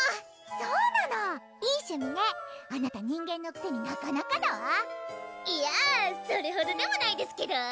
そうなのいい趣味ねあなた人間のくせになかなかだわいやそれほどでもないですけど！